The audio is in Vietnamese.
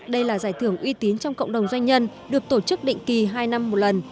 đây là giải thưởng uy tín trong cộng đồng doanh nhân được tổ chức định kỳ hai năm một lần